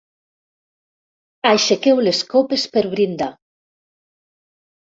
Aixequeu les copes per brindar.